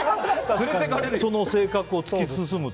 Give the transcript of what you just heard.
その性格を突き進むと。